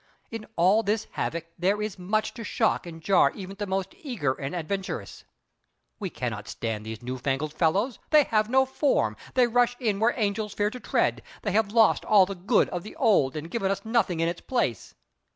In all this havoc there is much to shock and jar even the most eager and adventurous. We cannot stand these new fangled fellows! They have no form! They rush in where angels fear to tread. They have lost all the good of the old, and given us nothing in its place!